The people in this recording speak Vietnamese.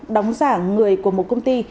đóng giả người của một công ty